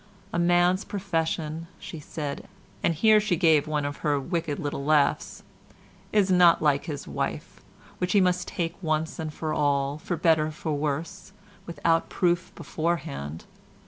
A man's profession," she said, and here she gave one of her wicked little laughs, "is not like his wife, which he must take once for all, for better for worse, without proof beforehand.